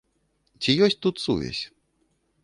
Ці есць тут сувязь?